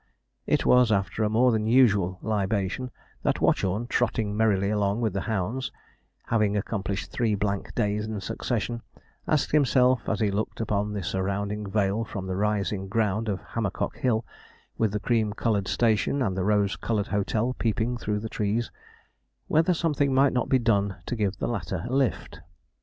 It was after a more than usual libation that Watchorn, trotting merrily along with the hounds, having accomplished three blank days in succession, asked himself, as he looked upon the surrounding vale from the rising ground of Hammercock Hill, with the cream coloured station and the rose coloured hotel peeping through the trees, whether something might not be done to give the latter a lift.